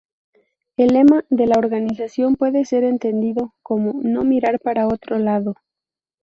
El lema de la organización puede ser entendido como "no mirar para otro lado".